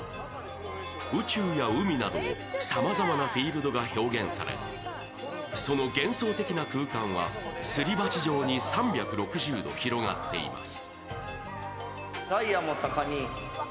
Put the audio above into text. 宇宙や海などさまざまなフィールドが表現され、その幻想的な空間はすり鉢状に３６０度広がっています。